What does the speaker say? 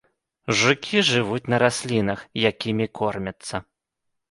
Жукі жывуць на раслінах, якімі кормяцца.